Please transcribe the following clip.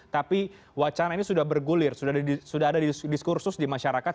tapi wacana ini sudah bergulir sudah ada diskursus di masyarakat